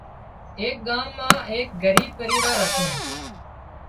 ايڪ ڳام مان ايڪ ڳريب پريوار هتُون